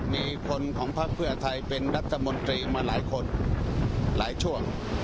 มีคนของภัคถึงไทยเป็นรัฐธรรมดีมาหลายคนหลายช่วง